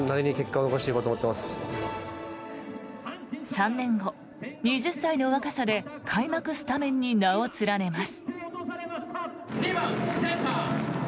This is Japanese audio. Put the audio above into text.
３年後、２０歳の若さで開幕スタメンに名を連ねます。